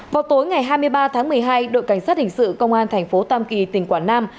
vào tối ngày hai mươi ba tháng một mươi hai đội cảnh sát hình sự công an thành phố tam kỳ tỉnh quảng nam